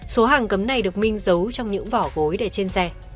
số hàng cấm này được minh giấu trong những vỏ gối để trên xe